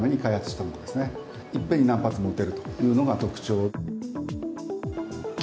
いっぺんに何発も撃てるのが特徴です。